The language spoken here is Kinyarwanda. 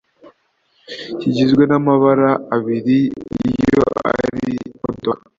kigizwe na mabara abiri iyo ari imodoka.